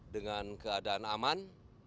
dengan keadaan aman